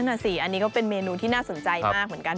นั่นสิอันนี้ก็เป็นเมนูที่น่าสนใจมากเหมือนกัน